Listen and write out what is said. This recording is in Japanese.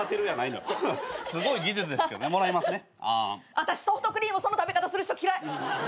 私ソフトクリームその食べ方する人嫌い！